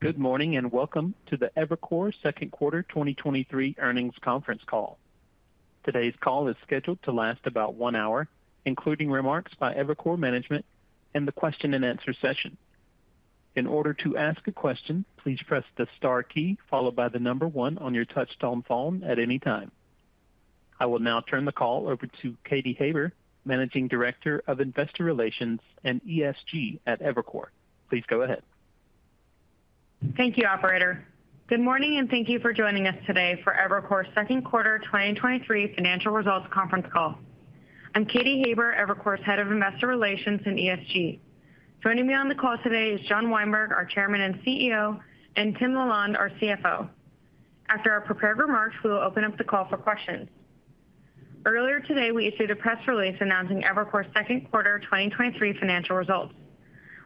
Good morning, and welcome to the Evercore Second Quarter 2023 Earnings Conference Call. Today's call is scheduled to last about one hour, including remarks by Evercore management and the question-and-answer session. In order to ask a question, please press the star key, followed by the number one on your touchtone phone at any time. I will now turn the call over to Katy Haber, Managing Director of Investor Relations and ESG at Evercore. Please go ahead. Thank you, operator. Good morning. Thank you for joining us today for Evercore's 2Q 2023 financial results conference call. I'm Katy Haber, Evercore's Head of Investor Relations in ESG. Joining me on the call today is John Weinberg, our Chairman and CEO, and Tim LaLonde, our CFO. After our prepared remarks, we will open up the call for questions. Earlier today, we issued a press release announcing Evercore's 2Q 2023 financial results.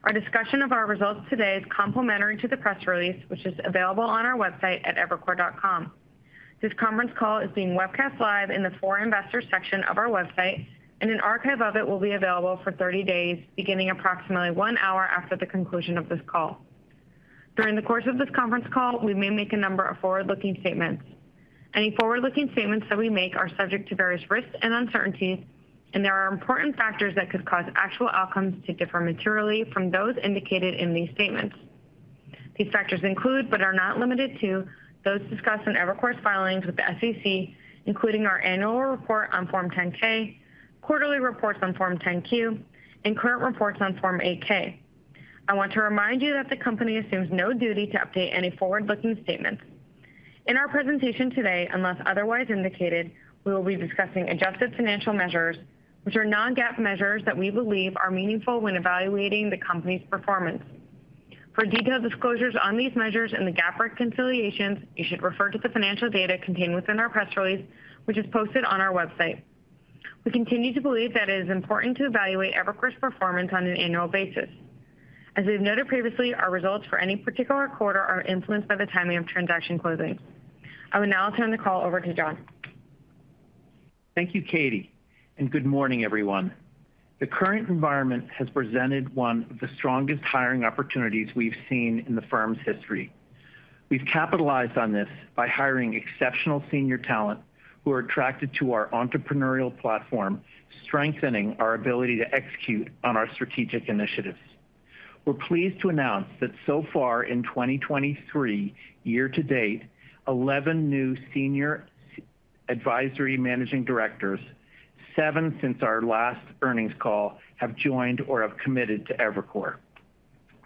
Our discussion of our results today is complementary to the press release, which is available on our website at evercore.com. This conference call is being webcast live in the For Investors section of our website, and an archive of it will be available for 30 days, beginning approximately one hour after the conclusion of this call. During the course of this conference call, we may make a number of forward-looking statements. Any forward-looking statements that we make are subject to various risks and uncertainties, and there are important factors that could cause actual outcomes to differ materially from those indicated in these statements. These factors include, but are not limited to, those discussed in Evercore's filings with the SEC, including our annual report on Form 10-K, quarterly reports on Form 10-Q, and current reports on Form 8-K. I want to remind you that the company assumes no duty to update any forward-looking statements. In our presentation today, unless otherwise indicated, we will be discussing adjusted financial measures, which are non-GAAP measures that we believe are meaningful when evaluating the company's performance. For detailed disclosures on these measures and the GAAP reconciliations, you should refer to the financial data contained within our press release, which is posted on our website. We continue to believe that it is important to evaluate Evercore's performance on an annual basis. As we've noted previously, our results for any particular quarter are influenced by the timing of transaction closings. I will now turn the call over to John. Thank you, Katy, and good morning, everyone. The current environment has presented one of the strongest hiring opportunities we've seen in the firm's history. We've capitalized on this by hiring exceptional senior talent who are attracted to our entrepreneurial platform, strengthening our ability to execute on our strategic initiatives. We're pleased to announce that so far in 2023, year to date, 11 new senior advisory managing directors, seven since our last earnings call, have joined or have committed to Evercore.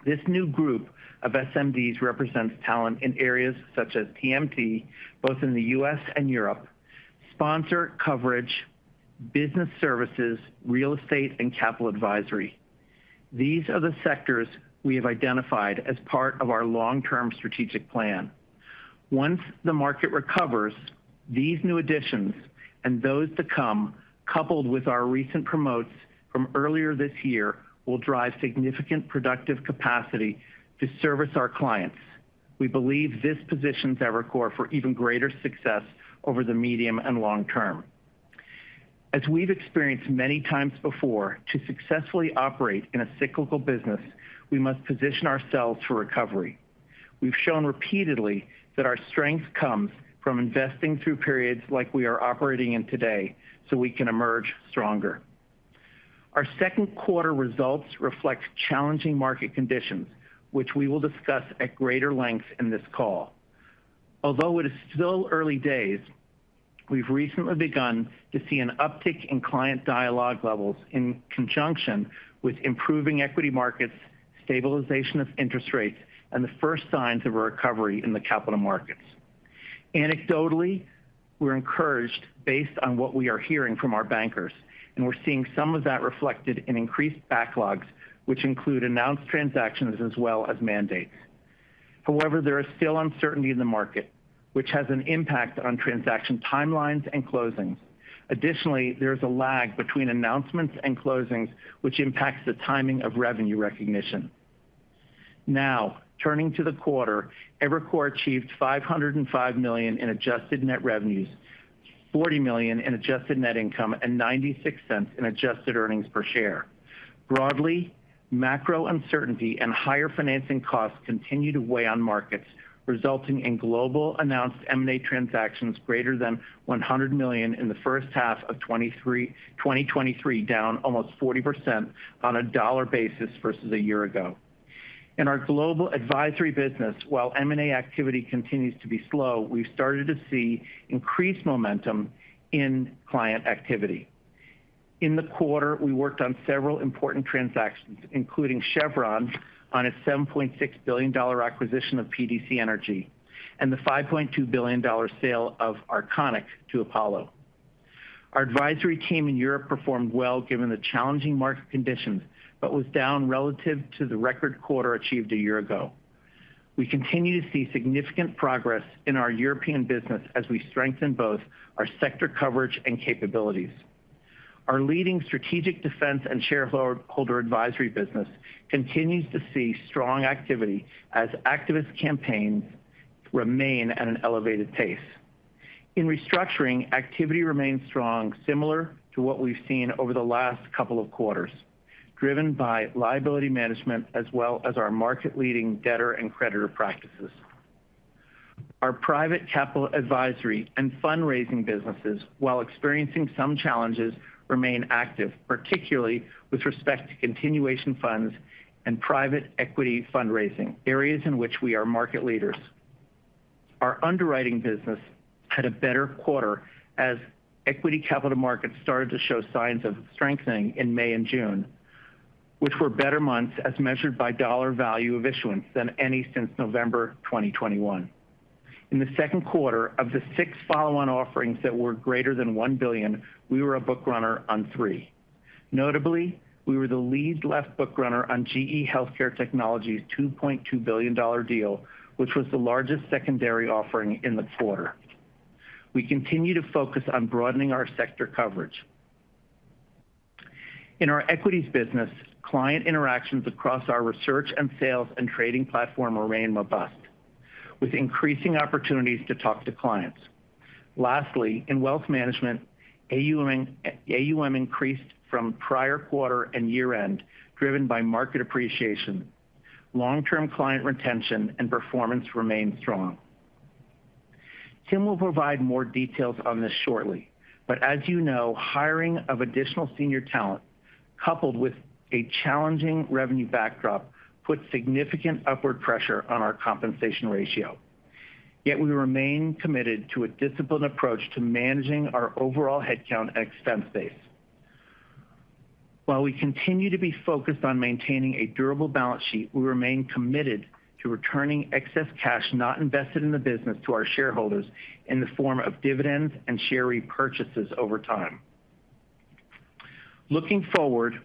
This new group of SMDs represents talent in areas such as TMT, both in the U.S. and Europe, sponsor coverage, business services, real estate, and capital advisory. These are the sectors we have identified as part of our long-term strategic plan. Once the market recovers, these new additions and those to come, coupled with our recent promotes from earlier this year, will drive significant productive capacity to service our clients. We believe this positions Evercore for even greater success over the medium and long term. As we've experienced many times before, to successfully operate in a cyclical business, we must position ourselves for recovery. We've shown repeatedly that our strength comes from investing through periods like we are operating in today, so we can emerge stronger. Our second quarter results reflect challenging market conditions, which we will discuss at greater length in this call. Although it is still early days, we've recently begun to see an uptick in client dialogue levels in conjunction with improving equity markets, stabilization of interest rates, and the first signs of a recovery in the capital markets. Anecdotally, we're encouraged based on what we are hearing from our bankers, and we're seeing some of that reflected in increased backlogs, which include announced transactions as well as mandates. However, there is still uncertainty in the market, which has an impact on transaction timelines and closings. Additionally, there is a lag between announcements and closings, which impacts the timing of revenue recognition. Now, turning to the quarter, Evercore achieved $505 million in adjusted net revenues, $40 million in adjusted net income, and $0.96 in adjusted earnings per share. Broadly, macro uncertainty and higher financing costs continue to weigh on markets, resulting in global announced M&A transactions greater than $100 million in the first half of 2023, down almost 40% on a dollar basis versus a year ago. In our global advisory business, while M&A activity continues to be slow, we've started to see increased momentum in client activity. In the quarter, we worked on several important transactions, including Chevron on its $7.6 billion acquisition of PDC Energy, and the $5.2 billion sale of Arconic to Apollo. Our advisory team in Europe performed well given the challenging market conditions, but was down relative to the record quarter achieved a year ago. We continue to see significant progress in our European business as we strengthen both our sector coverage and capabilities. Our leading strategic defense and shareholder advisory business continues to see strong activity as activist campaigns remain at an elevated pace. In restructuring, activity remains strong, similar to what we've seen over the last couple of quarters, driven by liability management as well as our market-leading debtor and creditor practices. Our private capital advisory and fundraising businesses, while experiencing some challenges, remain active, particularly with respect to continuation funds and private equity fundraising, areas in which we are market leaders. Our underwriting business had a better quarter as equity capital markets started to show signs of strengthening in May and June, which were better months as measured by dollar value of issuance than any since November 2021. In the second quarter, of the six follow-on offerings that were greater than $1 billion, we were a book runner on three. Notably, we were the lead left book runner on GE HealthCare Technologies' $2.2 billion deal, which was the largest secondary offering in the quarter. We continue to focus on broadening our sector coverage. In our equities business, client interactions across our research and sales and trading platform remain robust, with increasing opportunities to talk to clients. Lastly, in wealth management, AUM increased from prior quarter and year-end, driven by market appreciation. Long-term client retention and performance remains strong. Tim will provide more details on this shortly, as you know, hiring of additional senior talent, coupled with a challenging revenue backdrop, put significant upward pressure on our compensation ratio. We remain committed to a disciplined approach to managing our overall headcount expense base. While we continue to be focused on maintaining a durable balance sheet, we remain committed to returning excess cash not invested in the business to our shareholders in the form of dividends and share repurchases over time. Looking forward,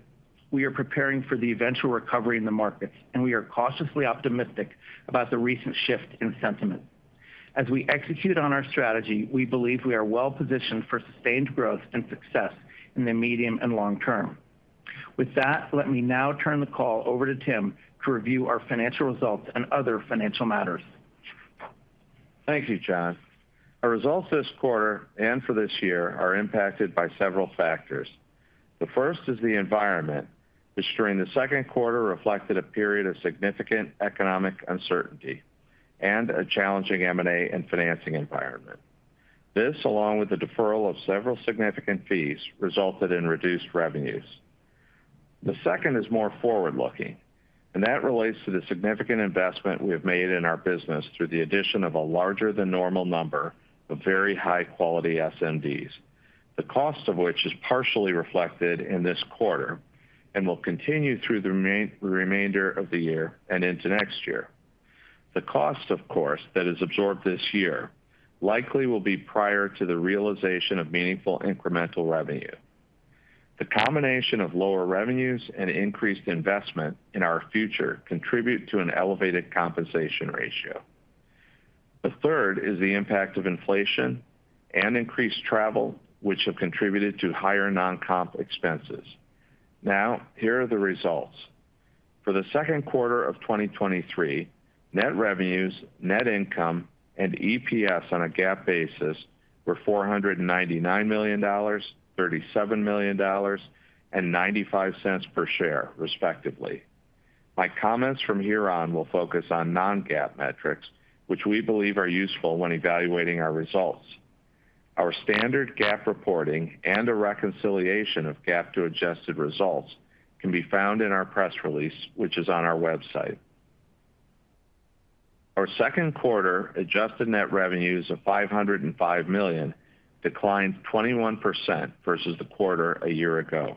we are preparing for the eventual recovery in the market, we are cautiously optimistic about the recent shift in sentiment. As we execute on our strategy, we believe we are well positioned for sustained growth and success in the medium and long term. With that, let me now turn the call over to Tim to review our financial results and other financial matters. Thank you, John. Our results this quarter and for this year are impacted by several factors. The first is the environment, which during the second quarter reflected a period of significant economic uncertainty and a challenging M&A and financing environment. This, along with the deferral of several significant fees, resulted in reduced revenues. The second is more forward-looking, that relates to the significant investment we have made in our business through the addition of a larger than normal number of very high-quality SMDs, the cost of which is partially reflected in this quarter and will continue through the remainder of the year and into next year. The cost, of course, that is absorbed this year, likely will be prior to the realization of meaningful incremental revenue. The combination of lower revenues and increased investment in our future contribute to an elevated compensation ratio. The third is the impact of inflation and increased travel, which have contributed to higher non-comp expenses. Here are the results. For the second quarter of 2023, net revenues, net income, and EPS on a GAAP basis were $499 million, $37 million, and $0.95 per share, respectively. My comments from here on will focus on non-GAAP metrics, which we believe are useful when evaluating our results. Our standard GAAP reporting and a reconciliation of GAAP to adjusted results can be found in our press release, which is on our website. Our second quarter adjusted net revenues of $505 million declined 21% versus the quarter a year ago.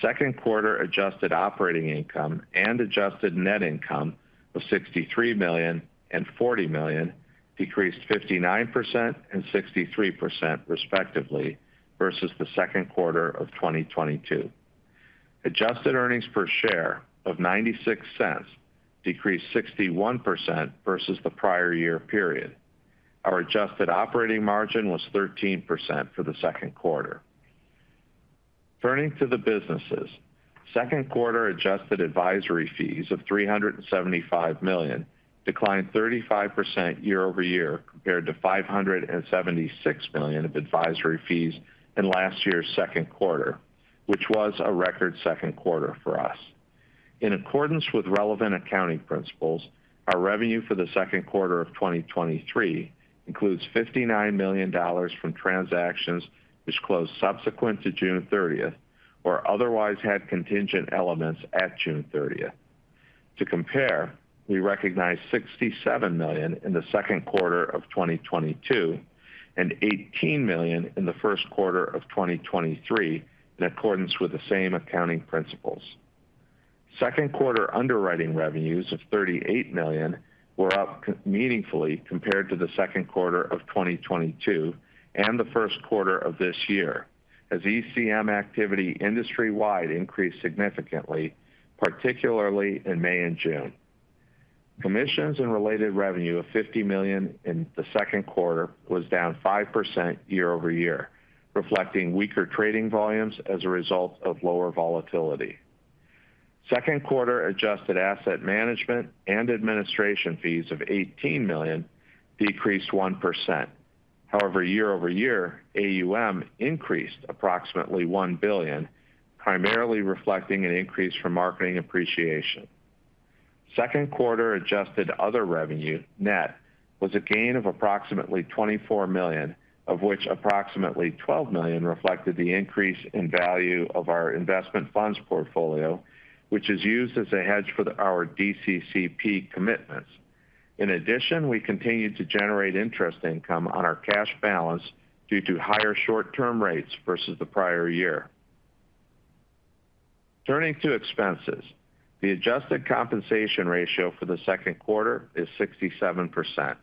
Second quarter adjusted operating income and adjusted net income of $63 million and $40 million decreased 59% and 63%, respectively, versus the second quarter of 2022. Adjusted earnings per share of $0.96 decreased 61% versus the prior year period. Our adjusted operating margin was 13% for the second quarter. Turning to the businesses, second quarter adjusted advisory fees of $375 million declined 35% year-over-year, compared to $576 million of advisory fees in last year's second quarter, which was a record second quarter for us. In accordance with relevant accounting principles, our revenue for the second quarter of 2023 includes $59 million from transactions which closed subsequent to June 30th, or otherwise had contingent elements at June 30th. To compare, we recognized $67 million in the second quarter of 2022, and $18 million in the first quarter of 2023, in accordance with the same accounting principles. Second quarter underwriting revenues of $38 million were up meaningfully compared to the second quarter of 2022 and the first quarter of this year, as ECM activity industry-wide increased significantly, particularly in May and June. Commissions and related revenue of $50 million in the second quarter was down 5% year-over-year, reflecting weaker trading volumes as a result of lower volatility. Second quarter adjusted asset management and administration fees of $18 million decreased 1%. Year-over-year, AUM increased approximately $1 billion, primarily reflecting an increase from marketing appreciation. Second quarter adjusted other revenue net was a gain of approximately $24 million, of which approximately $12 million reflected the increase in value of our investment funds portfolio, which is used as a hedge for our DCCP commitments. In addition, we continued to generate interest income on our cash balance due to higher short-term rates versus the prior year. Turning to expenses. The adjusted compensation ratio for the second quarter is 67%.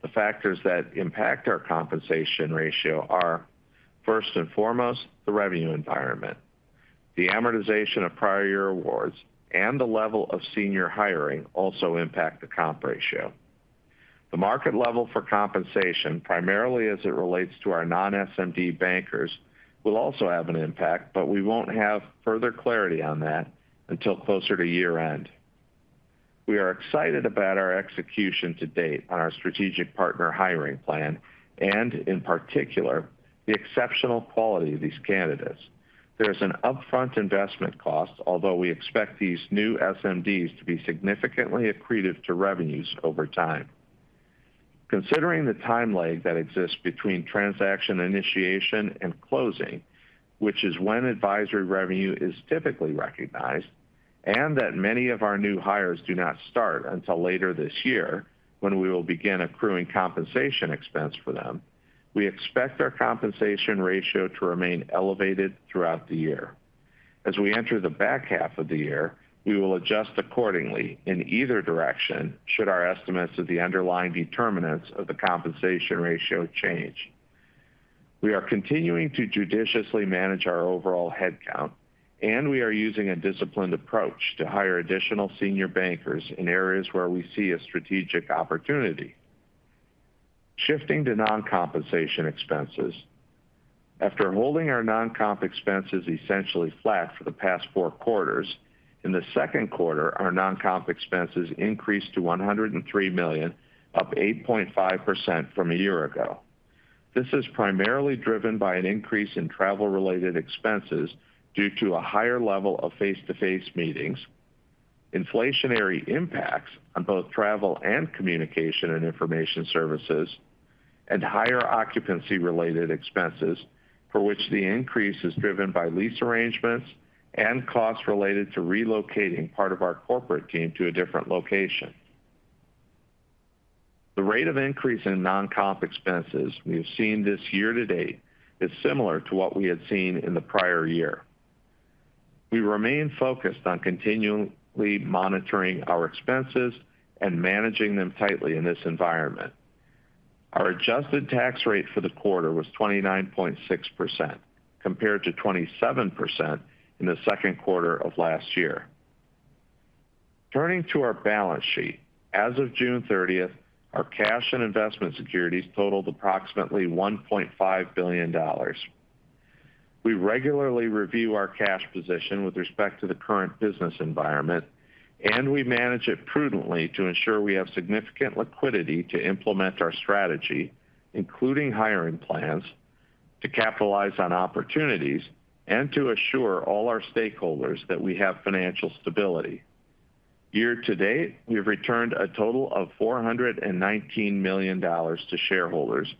The factors that impact our compensation ratio are, first and foremost, the revenue environment. The amortization of prior year awards and the level of senior hiring also impact the comp ratio. The market level for compensation, primarily as it relates to our non-SMD bankers, will also have an impact, but we won't have further clarity on that until closer to year-end. We are excited about our execution to date on our strategic partner hiring plan, and in particular, the exceptional quality of these candidates. There is an upfront investment cost, although we expect these new SMDs to be significantly accretive to revenues over time. Considering the time lag that exists between transaction, initiation, and closing, which is when advisory revenue is typically recognized, and that many of our new hires do not start until later this year, when we will begin accruing compensation expense for them, we expect our compensation ratio to remain elevated throughout the year. As we enter the back half of the year, we will adjust accordingly in either direction, should our estimates of the underlying determinants of the compensation ratio change. We are continuing to judiciously manage our overall headcount, and we are using a disciplined approach to hire additional senior bankers in areas where we see a strategic opportunity. Shifting to non-compensation expenses. After holding our non-comp expenses essentially flat for the past four quarters, in the second quarter, our non-comp expenses increased to $103 million, up 8.5% from a year ago. This is primarily driven by an increase in travel-related expenses due to a higher level of face-to-face meetings, inflationary impacts on both travel and communication and information services, and higher occupancy-related expenses, for which the increase is driven by lease arrangements and costs related to relocating part of our corporate team to a different location. The rate of increase in non-comp expenses we have seen this year to date is similar to what we had seen in the prior year. We remain focused on continually monitoring our expenses and managing them tightly in this environment. Our adjusted tax rate for the quarter was 29.6%, compared to 27% in the second quarter of last year. Turning to our balance sheet. As of June 30th, our cash and investment securities totaled approximately $1.5 billion. We regularly review our cash position with respect to the current business environment, and we manage it prudently to ensure we have significant liquidity to implement our strategy, including hiring plans, to capitalize on opportunities, and to assure all our stakeholders that we have financial stability. Year to date, we have returned a total of $419 million to shareholders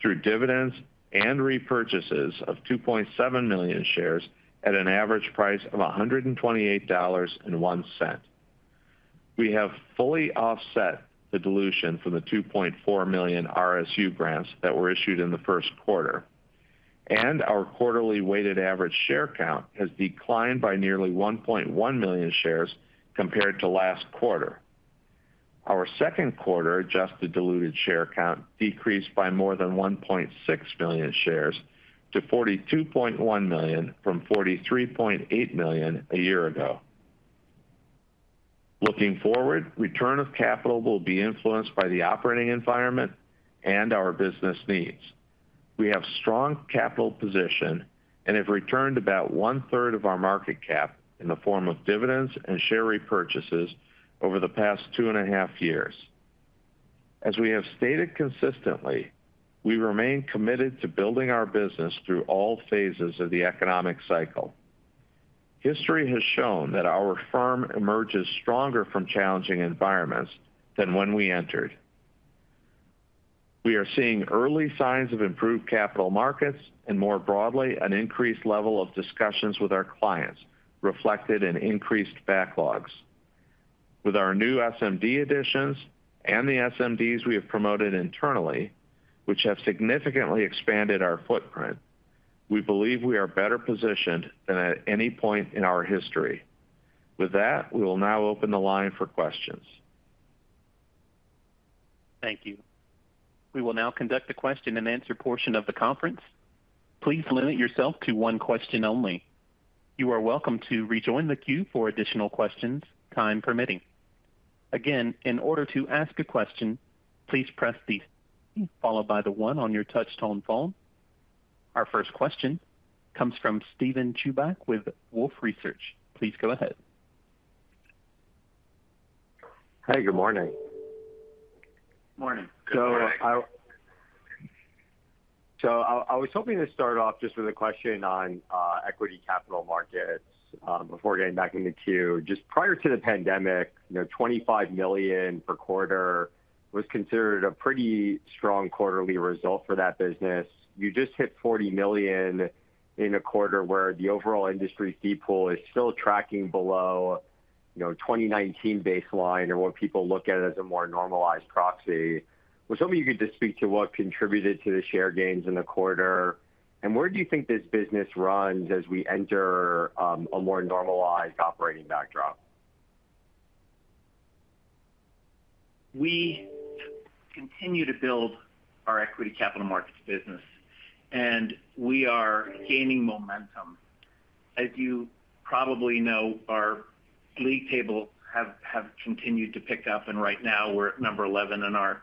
through dividends and repurchases of 2.7 million shares at an average price of $128.01. We have fully offset the dilution from the 2.4 million RSU grants that were issued in the first quarter, and our quarterly weighted average share count has declined by nearly 1.1 million shares compared to last quarter. Our second quarter adjusted diluted share count decreased by more than 1.6 million shares to 42.1 million from 43.8 million a year ago. Looking forward, return of capital will be influenced by the operating environment and our business needs. We have strong capital position and have returned about one-third of our market cap in the form of dividends and share repurchases over the past 2.5 years. As we have stated consistently, we remain committed to building our business through all phases of the economic cycle. History has shown that our firm emerges stronger from challenging environments than when we entered. We are seeing early signs of improved capital markets and, more broadly, an increased level of discussions with our clients, reflected in increased backlogs. With our new SMD additions and the SMDs we have promoted internally, which have significantly expanded our footprint, we believe we are better positioned than at any point in our history. With that, we will now open the line for questions. Thank you. We will now conduct a question-and-answer portion of the conference. Please limit yourself to one question only. You are welcome to rejoin the queue for additional questions, time permitting. Again, in order to ask a question, please press the star key followed by the one on your touchtone phone. Our first question comes from Steven Chubak with Wolfe Research. Please go ahead. Hi, good morning. Morning. Good morning. I was hoping to start off just with a question on equity capital markets before getting back into Q. Just prior to the pandemic, you know, $25 million per quarter was considered a pretty strong quarterly result for that business. You just hit $40 million in a quarter where the overall industry fee pool is still tracking below, you know, 2019 baseline, or what people look at as a more normalized proxy. Was hoping you could just speak to what contributed to the share gains in the quarter, and where do you think this business runs as we enter a more normalized operating backdrop? We continue to build our equity capital markets business, and we are gaining momentum. As you probably know, our league table have continued to pick up, and right now we're at number 11, and our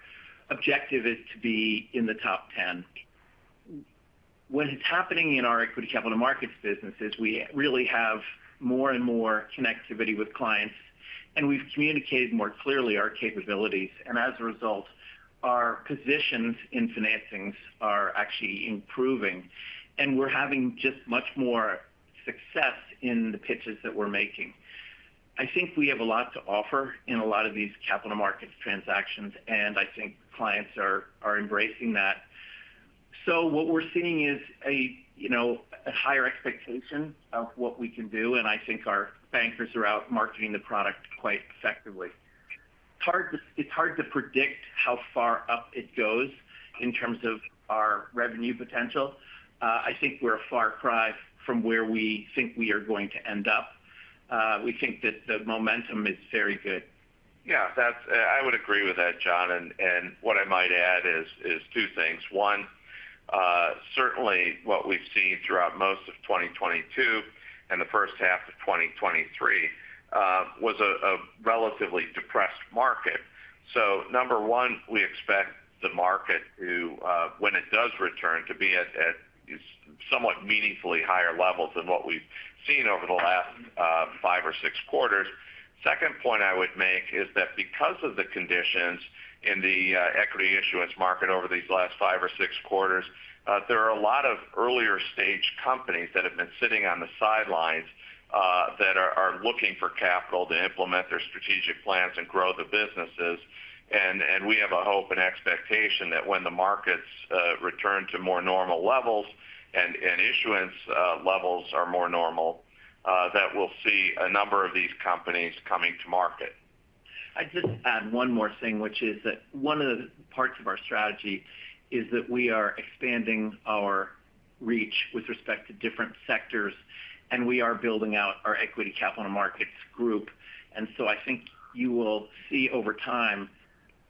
objective is to be in the top 10. What is happening in our equity capital markets business is we really have more and more connectivity with clients, and we've communicated more clearly our capabilities, and as a result, our positions in financings are actually improving, and we're having just much more success in the pitches that we're making. I think we have a lot to offer in a lot of these capital markets transactions, and I think clients are embracing that. What we're seeing is a, you know, a higher expectation of what we can do, and I think our bankers are out marketing the product quite effectively. It's hard to predict how far up it goes in terms of our revenue potential. I think we're a far cry from where we think we are going to end up. We think that the momentum is very good. Yeah, I would agree with that, John. What I might add is two things. One, certainly what we've seen throughout most of 2022 and the first half of 2023, was a relatively depressed market. Number one, we expect the market to, when it does return, to be at somewhat meaningfully higher levels than what we've seen over the last five or six quarters. Second point I would make is that because of the conditions in the equity issuance market over these last five or six quarters, there are a lot of earlier stage companies that have been sitting on the sidelines, that are looking for capital to implement their strategic plans and grow the businesses. We have a hope and expectation that when the markets return to more normal levels and issuance levels are more normal, that we'll see a number of these companies coming to market. I'd just add one more thing, which is that one of the parts of our strategy is that we are expanding our reach with respect to different sectors, and we are building out our equity capital markets group. I think you will see over time,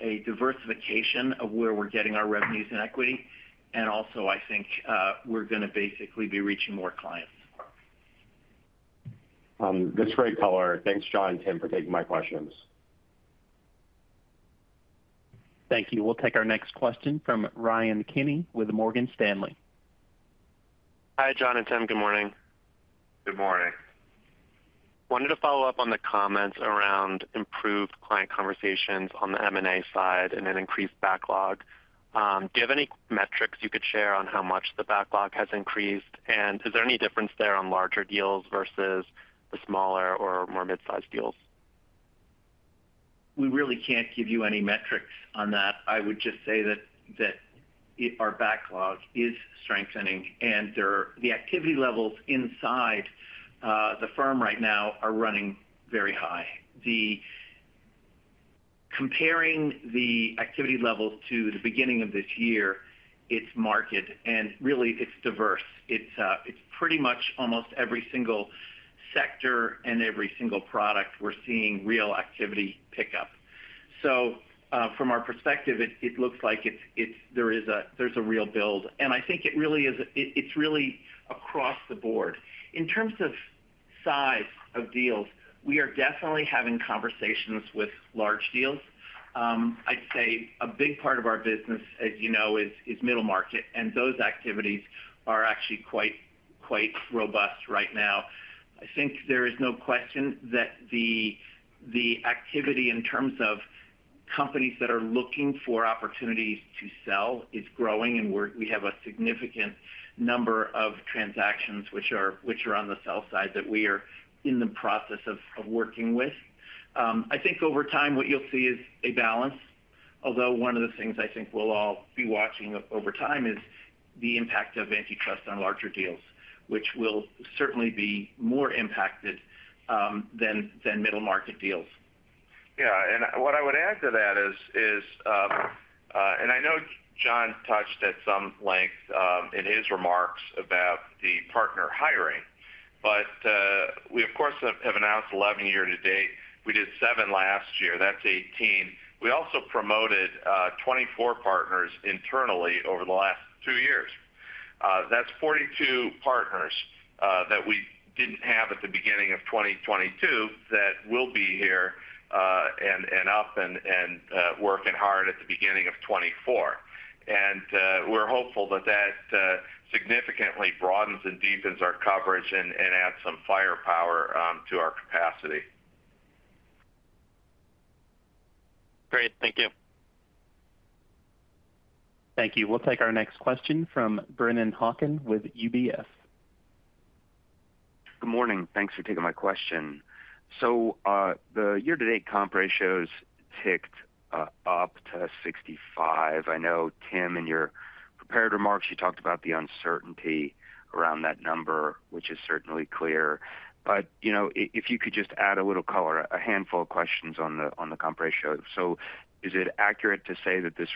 a diversification of where we're getting our revenues in equity, and also I think, we're going to basically be reaching more clients. That's great color. Thanks, John and Tim, for taking my questions. Thank you. We'll take our next question from Ryan Kenny with Morgan Stanley. Hi, John and Tim. Good morning. Good morning. Wanted to follow up on the comments around improved client conversations on the M&A side and an increased backlog. Do you have any metrics you could share on how much the backlog has increased? Is there any difference there on larger deals versus the smaller or more mid-sized deals? We really can't give you any metrics on that. I would just say that our backlog is strengthening, and the activity levels inside the firm right now are running very high. Comparing the activity levels to the beginning of this year, it's market, and really, it's diverse. It's, it's pretty much almost every single sector and every single product, we're seeing real activity pick up. From our perspective, it looks like it's there is a, there's a real build. I think it's really across the board. In terms of size of deals, we are definitely having conversations with large deals. I'd say a big part of our business, as you know, is middle market, and those activities are actually quite robust right now. I think there is no question that the activity in terms of companies that are looking for opportunities to sell is growing, and we have a significant number of transactions which are, which are on the sell side, that we are in the process of working with. I think over time, what you'll see is a balance, although one of the things I think we'll all be watching over time is the impact of antitrust on larger deals, which will certainly be more impacted, than middle market deals. What I would add to that is, I know John touched at some length in his remarks about the partner hiring. We of course, have announced 11 year to date. We did seven last year. That's 18. We also promoted 24 partners internally over the last two years. That's 42 partners that we didn't have at the beginning of 2022 that will be here and up and working hard at the beginning of 2024. We're hopeful that that significantly broadens and deepens our coverage and adds some firepower to our capacity. Great. Thank you. Thank you. We'll take our next question from Brennan Hawken with UBS. Good morning. Thanks for taking my question. The year-to-date comp ratios ticked up to 65. I know, Tim, in your prepared remarks, you talked about the uncertainty around that number, which is certainly clear. You know, if you could just add a little color, a handful of questions on the comp ratio. Is it accurate to say that this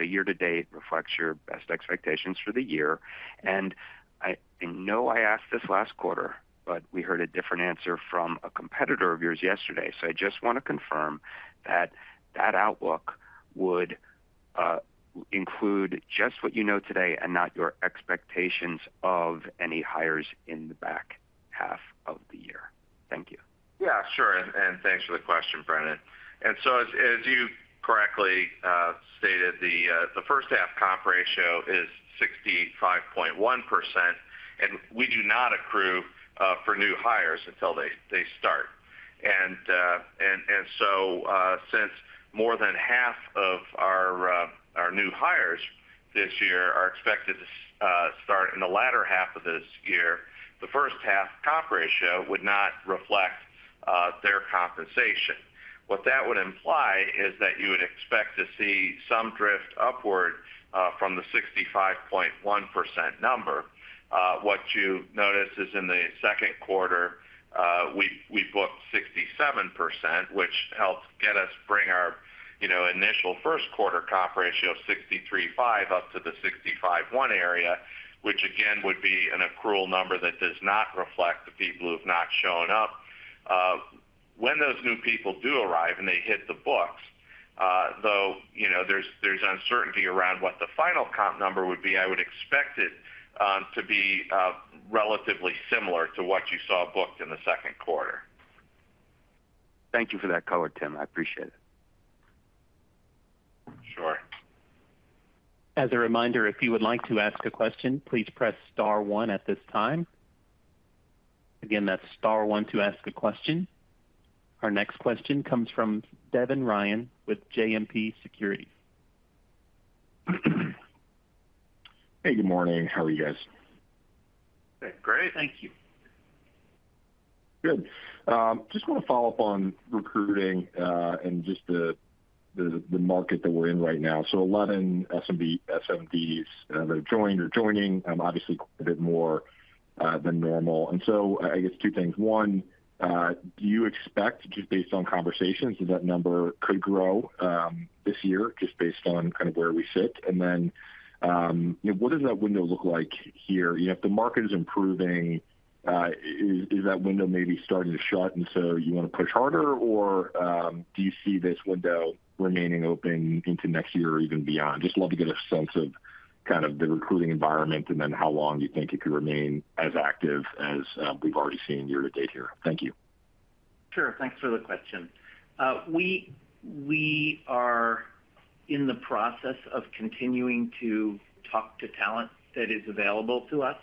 year-to-date reflects your best expectations for the year? I know I asked this last quarter, but we heard a different answer from a competitor of yours yesterday. I just want to confirm that that outlook would include just what you know today and not your expectations of any hires in the back half of the year. Thank you. Yeah, sure. Thanks for the question, Brennan. As you correctly stated, the first half comp ratio is 65.1%, and we do not accrue for new hires until they start. Since more than half of our new hires this year are expected to start in the latter half of this year, the first half comp ratio would not reflect their compensation. What that would imply is that you would expect to see some drift upward from the 65.1% number. What you notice is in the second quarter, we booked 67%, which helped get us bring our, you know, initial first quarter comp ratio of 63.5 up to the 65.1 area, which again, would be an accrual number that does not reflect the people who have not shown up. When those new people do arrive and they hit the books, though, you know, there's uncertainty around what the final comp number would be, I would expect it to be relatively similar to what you saw booked in the second quarter. Thank you for that color, Tim. I appreciate it. Sure. As a reminder, if you would like to ask a question, please press star one at this time. Again, that's star one to ask a question. Our next question comes from Devin Ryan with JMP Securities. Hey, good morning. How are you guys? Great, thank you. Good. Just want to follow up on recruiting, and just the market that we're in right now. 11 SMDs that have joined or joining, obviously quite a bit more than normal. I guess two things. One, do you expect, just based on conversations, that that number could grow this year, just based on kind of where we sit? What does that window look like here? You know, if the market is improving, is that window maybe starting to shut and so you want to push harder? Or do you see this window remaining open into next year or even beyond? Just love to get a sense of kind of the recruiting environment and then how long you think it could remain as active as we've already seen year to date here. Thank you. Sure. Thanks for the question. We are in the process of continuing to talk to talent that is available to us.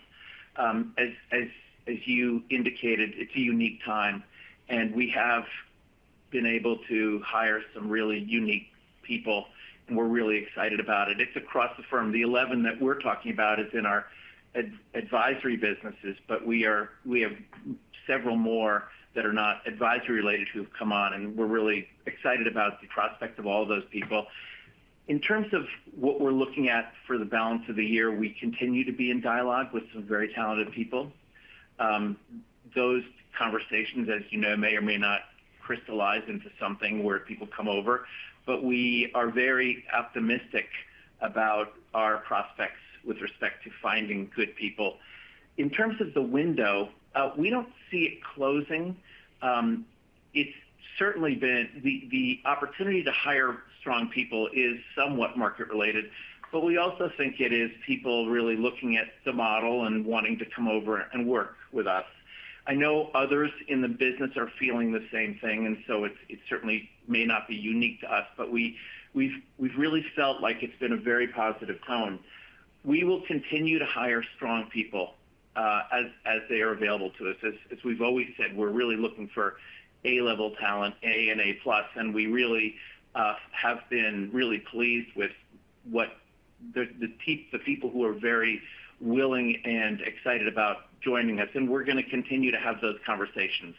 As you indicated, it's a unique time. We have been able to hire some really unique people, and we're really excited about it. It's across the firm. The 11 that we're talking about is in our advisory businesses. We have several more that are not advisory related who have come on, and we're really excited about the prospect of all those people. In terms of what we're looking at for the balance of the year, we continue to be in dialogue with some very talented people. Those conversations, as you know, may or may not crystallize into something where people come over. We are very optimistic about our prospects with respect to finding good people. In terms of the window, we don't see it closing. It's certainly been the opportunity to hire strong people is somewhat market-related, but we also think it is people really looking at the model and wanting to come over and work with us. I know others in the business are feeling the same thing. It's, it certainly may not be unique to us, but we've really felt like it's been a very positive tone. We will continue to hire strong people as they are available to us. As we've always said, we're really looking for A-level talent, A and A+. We really have been really pleased with what the people who are very willing and excited about joining us, and we're going to continue to have those conversations.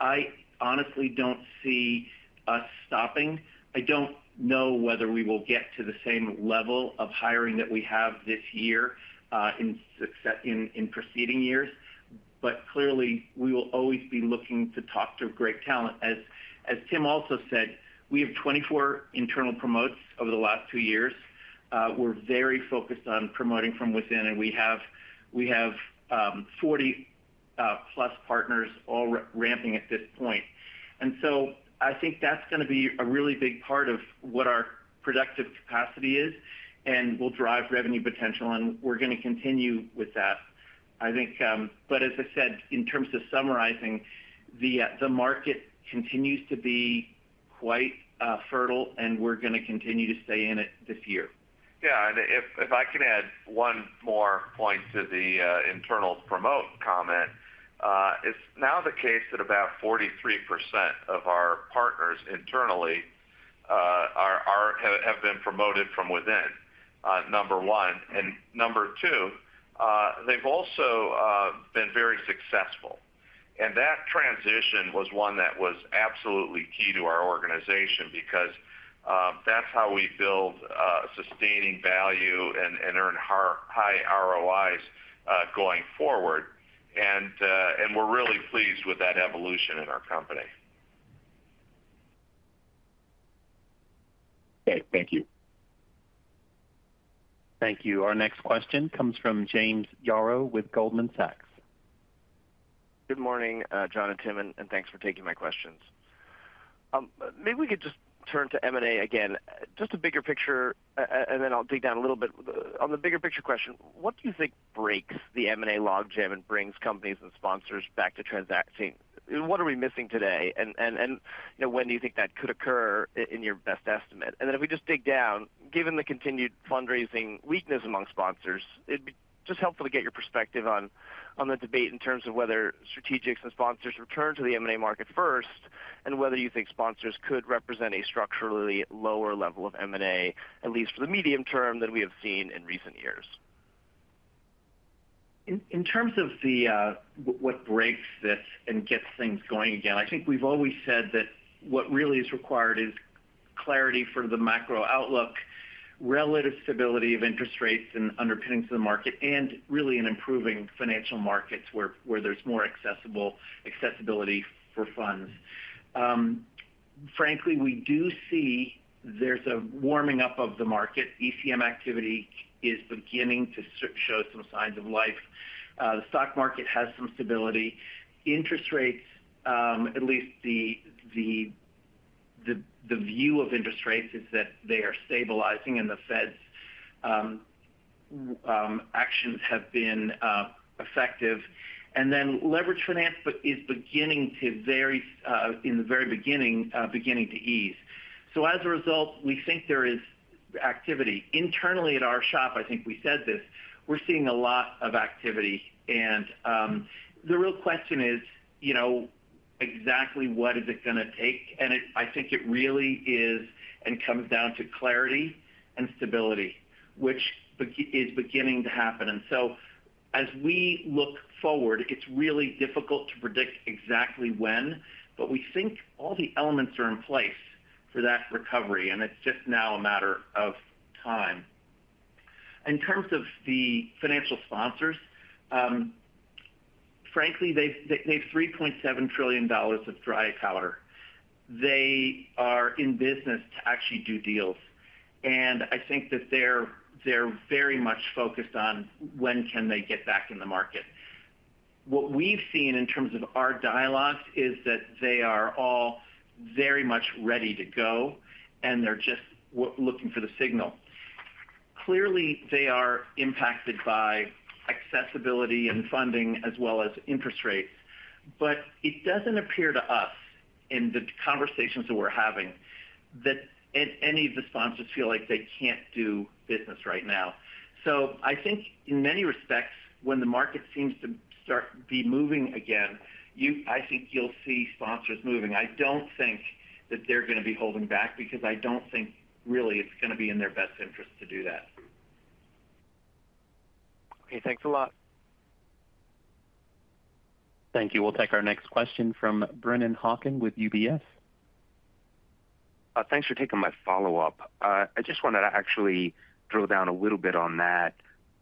I honestly don't see us stopping. I don't know whether we will get to the same level of hiring that we have this year, in preceding years, but clearly, we will always be looking to talk to great talent. As Tim also said, we have 24 internal promotes over the last two years. We're very focused on promoting from within, and we have 40 plus partners all ramping at this point. I think that's going to be a really big part of what our productive capacity is and will drive revenue potential, and we're going to continue with that. I think, but as I said, in terms of summarizing, the market continues to be quite fertile, and we're gonna continue to stay in it this year. If I can add one more point to the internal promote comment. It's now the case that about 43% of our partners internally have been promoted from within, number one. Number two, they've also been very successful. That transition was one that was absolutely key to our organization because that's how we build sustaining value and earn high ROIs going forward. We're really pleased with that evolution in our company. Okay, thank you. Thank you. Our next question comes from James Yaro with Goldman Sachs. Good morning, John and Tim, and thanks for taking my questions. Maybe we could just turn to M&A again, just a bigger picture, and then I'll dig down a little bit. On the bigger picture question, what do you think breaks the M&A logjam and brings companies and sponsors back to transacting? What are we missing today? You know, when do you think that could occur in your best estimate? Then if we just dig down, given the continued fundraising weakness among sponsors, it'd be just helpful to get your perspective on the debate in terms of whether strategics and sponsors return to the M&A market first, and whether you think sponsors could represent a structurally lower level of M&A, at least for the medium term than we have seen in recent years. In terms of the what breaks this and gets things going again, I think we've always said that what really is required is clarity for the macro outlook, relative stability of interest rates and underpinnings of the market, and really an improving financial markets, where there's more accessibility for funds. Frankly, we do see there's a warming up of the market. ECM activity is beginning to show some signs of life. The stock market has some stability. Interest rates, at least the view of interest rates is that they are stabilizing, and the Fed's actions have been effective. Leverage finance is beginning to very, in the very beginning to ease. As a result, we think there is activity. Internally at our shop, I think we said this, we're seeing a lot of activity, and the real question is, you know, exactly what is it gonna take? I think it really is, and comes down to clarity and stability, which is beginning to happen. As we look forward, it's really difficult to predict exactly when, but we think all the elements are in place for that recovery, and it's just now a matter of time. In terms of the financial sponsors, frankly, they've $3.7 trillion of dry powder. They are in business to actually do deals, and I think that they're very much focused on when can they get back in the market. What we've seen in terms of our dialogues is that they are all very much ready to go, and they're just looking for the signal. Clearly, they are impacted by accessibility and funding as well as interest rates, but it doesn't appear to us in the conversations that we're having, that any of the sponsors feel like they can't do business right now. I think in many respects, when the market seems to start be moving again, I think you'll see sponsors moving. I don't think that they're gonna be holding back because I don't think really it's gonna be in their best interest to do that. Okay, thanks a lot. Thank you. We'll take our next question from Brennan Hawken with UBS. Thanks for taking my follow-up. I just wanted to actually drill down a little bit on that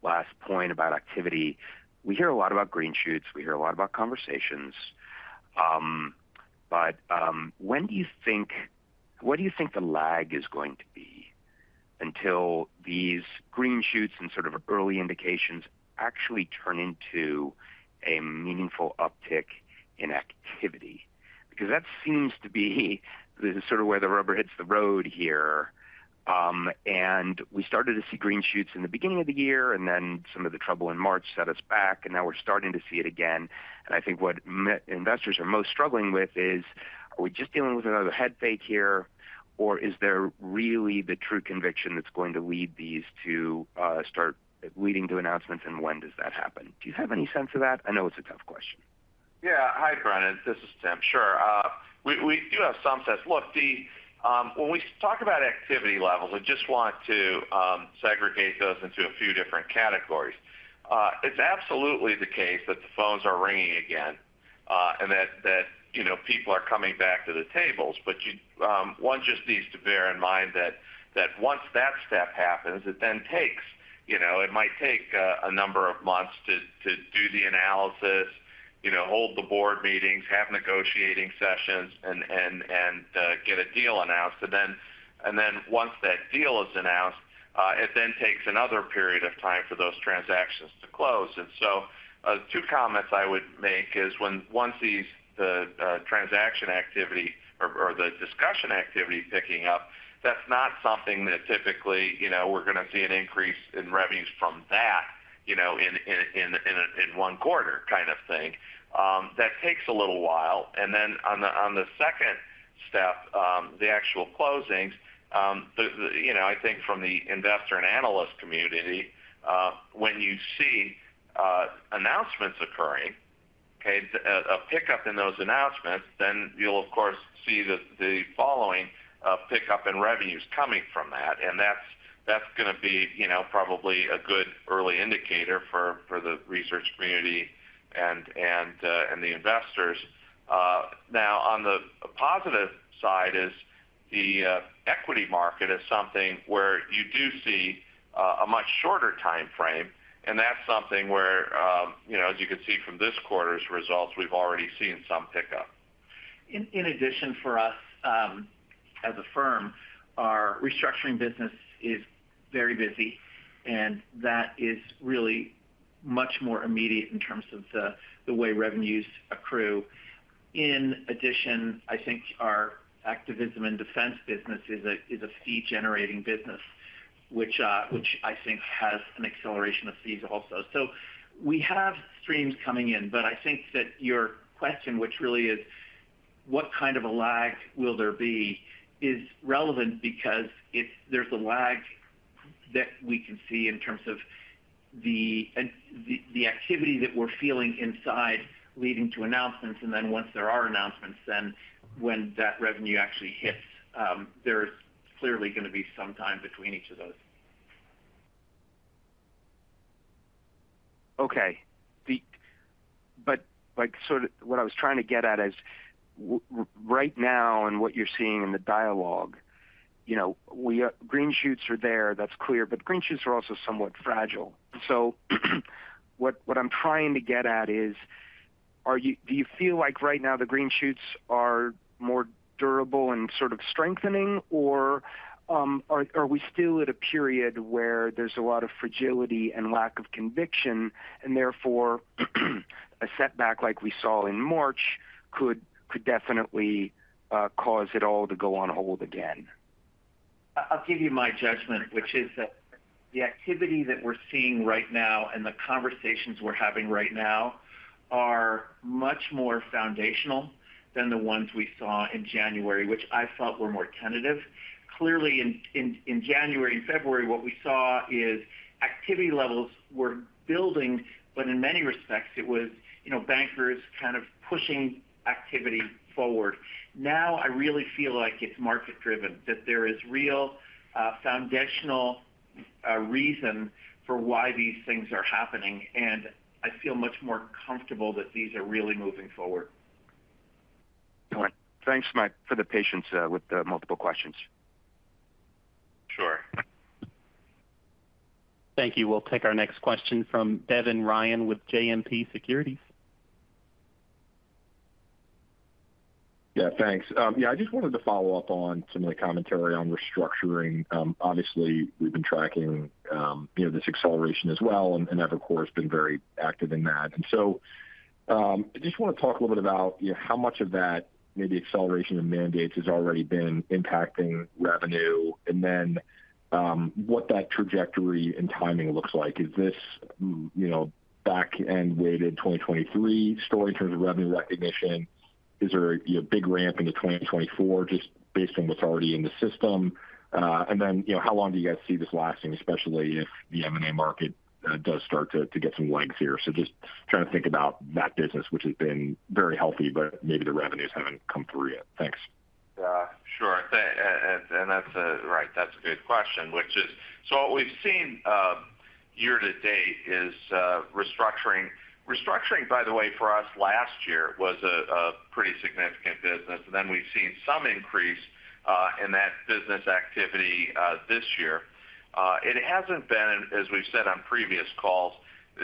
last point about activity. We hear a lot about green shoots, we hear a lot about conversations. What do you think the lag is going to be until these green shoots and sort of early indications actually turn into a meaningful uptick in activity? That seems to be the sort of where the rubber hits the road here. We started to see green shoots in the beginning of the year, and then some of the trouble in March set us back, and now we're starting to see it again. I think what investors are most struggling with is, are we just dealing with another head fake here, or is there really the true conviction that's going to lead these to start leading to announcements? When does that happen? Do you have any sense of that? I know it's a tough question. Yeah. Hi, Brennan, this is Tim. Sure. We do have some sense. Look, when we talk about activity levels, I just want to segregate those into a few different categories. It's absolutely the case that the phones are ringing again, and that, you know, people are coming back to the tables. One just needs to bear in mind that once that step happens, you know, it might take a number of months to do the analysis, you know, hold the board meetings, have negotiating sessions, and get a deal announced. Once that deal is announced, it then takes another period of time for those transactions to close. Two comments I would make is once these, the transaction activity or the discussion activity picking up, that's not something that typically, you know, we're gonna see an increase in revenues from that, you know, in one quarter kind of thing. That takes a little while. Then on the second step, the actual closings, the, you know, I think from the investor and analyst community, when you see announcements occurring, okay, a pickup in those announcements, then you'll, of course, see the following pickup in revenues coming from that. That's gonna be, you know, probably a good early indicator for the research community and the investors. On the positive side is the equity market is something where you do see a much shorter time frame, and that's something where, you know, as you can see from this quarter's results, we've already seen some pickup. In addition for us, as a firm, our restructuring business is very busy, and that is really much more immediate in terms of the way revenues accrue. In addition, I think our activism and defense business is a fee-generating business, which I think has an acceleration of fees also. We have streams coming in, but I think that your question, which really is, what kind of a lag will there be, is relevant because if there's a lag that we can see in terms of and the activity that we're feeling inside leading to announcements, and then once there are announcements, then when that revenue actually hits, there's clearly gonna be some time between each of those. Okay. Like, what I was trying to get at is, right now and what you're seeing in the dialogue, you know, we are green shoots are there, that's clear, but green shoots are also somewhat fragile. What I'm trying to get at is, do you feel like right now the green shoots are more durable and sort of strengthening? Or are we still at a period where there's a lot of fragility and lack of conviction, and therefore, a setback like we saw in March could definitely cause it all to go on hold again? I'll give you my judgment, which is that the activity that we're seeing right now and the conversations we're having right now are much more foundational than the ones we saw in January, which I felt were more tentative. Clearly, in January and February, what we saw is activity levels were building, but in many respects, it was, you know, bankers kind of pushing activity forward. Now, I really feel like it's market-driven, that there is real foundational reason for why these things are happening, and I feel much more comfortable that these are really moving forward. All right. Thanks, Tim, for the patience, with the multiple questions. Sure. Thank you. We'll take our next question from Devin Ryan with JMP Securities. Yeah, thanks. Yeah, I just wanted to follow up on some of the commentary on restructuring. Obviously, we've been tracking, you know, this acceleration as well, and Evercore has been very active in that. I just want to talk a little bit about, you know, how much of that maybe acceleration of mandates has already been impacting revenue, and then, what that trajectory and timing looks like. Is this, you know, back end weighted 2023 story in terms of revenue recognition? Is there a, you know, big ramp into 2024, just based on what's already in the system? How long, you know, do you guys see this lasting, especially if the M&A market does start to get some legs here? Just trying to think about that business, which has been very healthy, but maybe the revenues haven't come through yet. Thanks. Yeah, sure. And that's, right, that's a good question, which is, what we've seen year to date is restructuring. Restructuring, by the way, for us last year was a pretty significant business, and then we've seen some increase in that business activity this year. It hasn't been, as we've said on previous calls,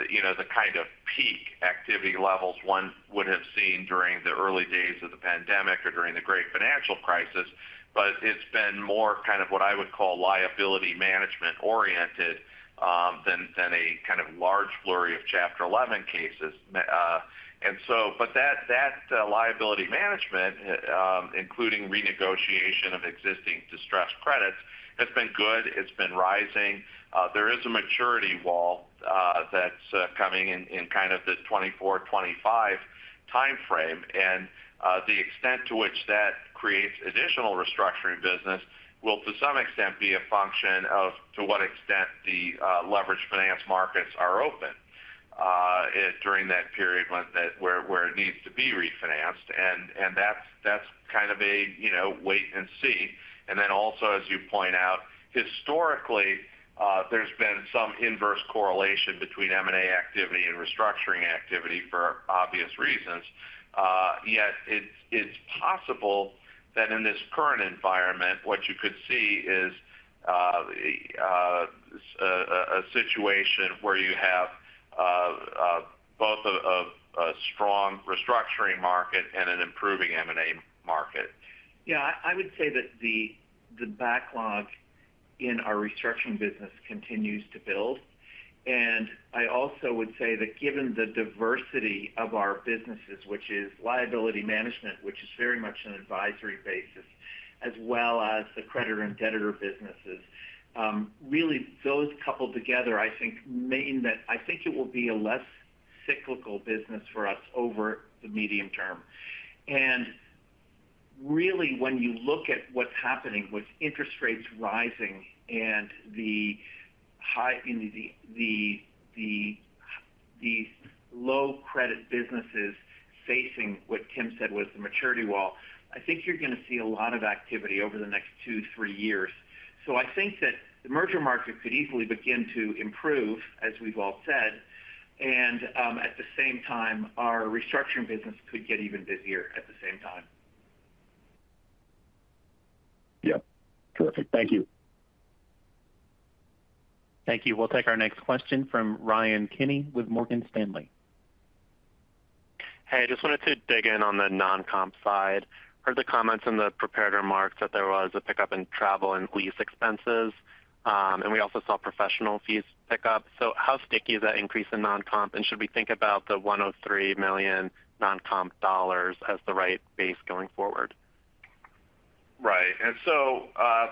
you know, the kind of peak activity levels one would have seen during the early days of the pandemic or during the great financial crisis, but it's been more kind of what I would call liability management oriented than a kind of large flurry of Chapter 11 cases. That liability management, including renegotiation of existing distressed credits, has been good. It's been rising. There is a maturity wall that's coming in kind of the 2024, 2025 time frame. The extent to which that creates additional restructuring business will, to some extent, be a function of to what extent the leverage finance markets are open during that period when it needs to be refinanced. That's kind of a, you know, wait and see. Also, as you point out, historically, there's been some inverse correlation between M&A activity and restructuring activity for obvious reasons. Yet it's possible that in this current environment, what you could see is a situation where you have both a strong restructuring market and an improving M&A market. I would say that the backlog in our restructuring business continues to build. I also would say that given the diversity of our businesses, which is liability management, which is very much an advisory basis, as well as the creditor and debtor businesses. Really, those coupled together, I think, mean that I think it will be a less cyclical business for us over the medium term. Really, when you look at what's happening with interest rates rising and the low credit businesses facing what Tim said was the maturity wall, I think you're going to see a lot of activity over the next two, three years. I think that the merger market could easily begin to improve, as we've all said, and, at the same time, our restructuring business could get even busier at the same time. Yeah. Terrific. Thank you. Thank you. We'll take our next question from Ryan Kenny with Morgan Stanley. Hey, I just wanted to dig in on the non-comp side. Heard the comments in the prepared remarks that there was a pickup in travel and lease expenses. We also saw professional fees pick up. How sticky is that increase in non-comp, and should we think about the $103 million non-comp as the right base going forward? Right.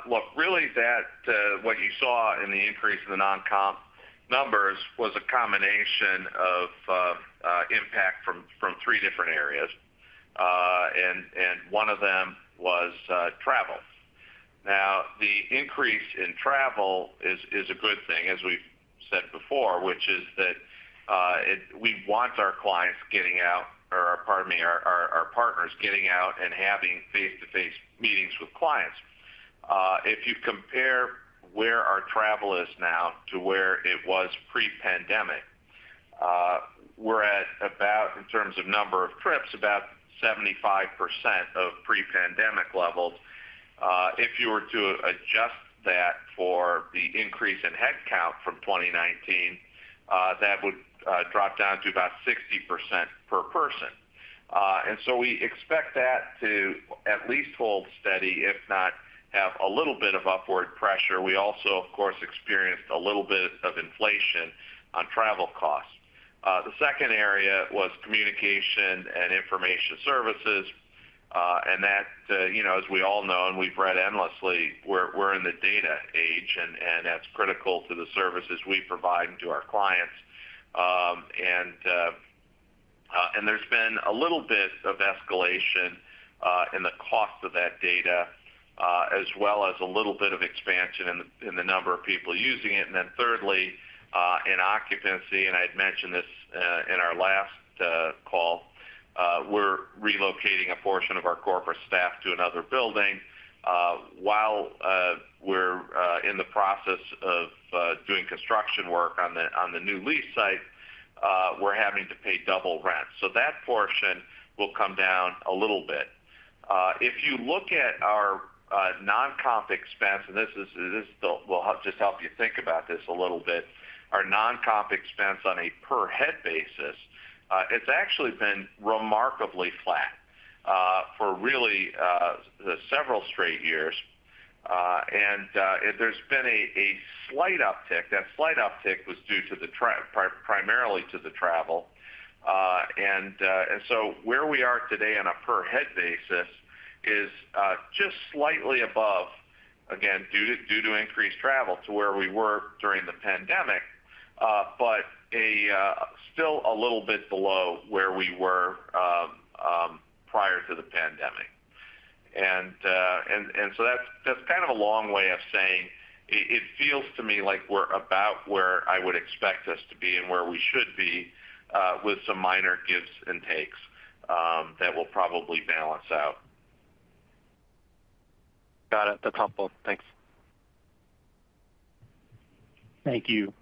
Look, really that, what you saw in the increase in the non-comp numbers was a combination of impact from three different areas. One of them was travel. Now, the increase in travel is a good thing, as we've said before, which is that we want our clients getting out, or pardon me, our partners getting out and having face-to-face meetings with clients. If you compare where our travel is now to where it was pre-pandemic, we're at about, in terms of number of trips, about 75% of pre-pandemic levels. If you were to adjust that for the increase in headcount from 2019, that would drop down to about 60% per person. We expect that to at least hold steady, if not have a little bit of upward pressure. We also, of course, experienced a little bit of inflation on travel costs. The second area was communication and information services, and that, you know, as we all know, and we've read endlessly, we're in the data age, and that's critical to the services we provide to our clients. And there's been a little bit of escalation in the cost of that data, as well as a little bit of expansion in the number of people using it. Thirdly, in occupancy, and I had mentioned this in our last call, we're relocating a portion of our corporate staff to another building. While we're in the process of doing construction work on the new lease site, we're having to pay double rent. That portion will come down a little bit. If you look at our non-comp expense, and this will just help you think about this a little bit. Our non-comp expense on a per head basis, it's actually been remarkably flat for really several straight years. There's been a slight uptick. That slight uptick was due primarily to the travel. Where we are today on a per head basis is just slightly above, again, due to increased travel to where we were during the pandemic, but still a little bit below where we were prior to the pandemic. That's kind of a long way of saying it feels to me like we're about where I would expect us to be and where we should be, with some minor gives and takes, that will probably balance out. Got it. That's helpful. Thanks. Thank you.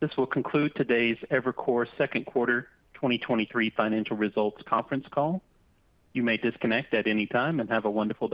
This will conclude today's Evercore Second Quarter 2023 Financial Results conference call. You may disconnect at any time, and have a wonderful day.